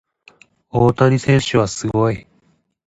大谷選手はすごい。